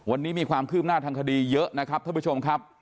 วันนี้มีความคืบหน้าทางคดีเยอะนะครับท่านผู้ชมครับ